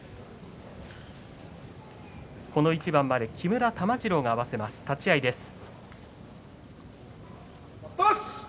この一番まで木村玉治郎が合わせます立ち合いです。